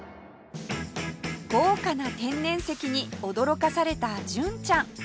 豪華な天然石に驚かされた純ちゃん